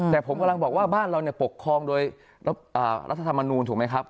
แต่ผมกำลังบอกว่าบ้านเราปกครองโดยรัฐธรรมนูลถูกไหมครับ